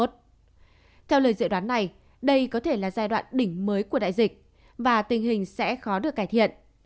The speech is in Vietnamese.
theo lời dự đoán này đây có thể là giai đoạn đỉnh mới của đại dịch và tình hình sẽ khó được cải thiện